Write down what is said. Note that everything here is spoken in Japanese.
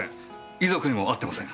遺族にも会ってません。